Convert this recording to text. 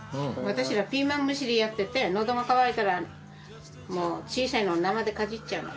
私らピーマンむしりやってて喉が渇いたら小さいのを生でかじっちゃうの。